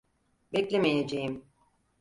Beklemeyeceğim.